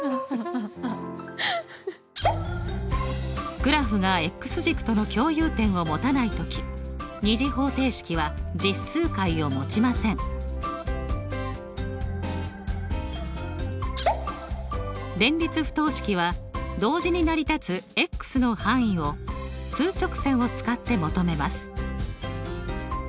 グラフが軸との共有点をもたない時２次方程式は連立不等式は同時に成り立つの範囲を数直線を使って求めます。